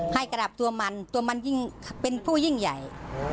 ให้กราบตัวมันตัวมันเป็นผู้ยิ่งใหญ่